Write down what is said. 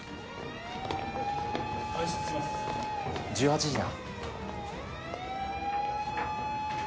１８時な。